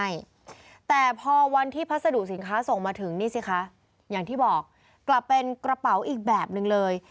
อย่างที่บอกกลับเป็นกระเป๋าอีกแบบหนึ่งเลย